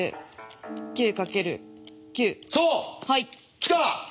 きた！